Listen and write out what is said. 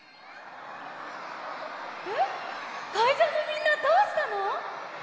えっかいじょうのみんなどうしたの？